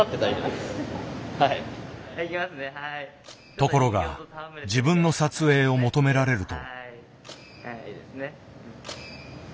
ところが自分の撮影を求められると。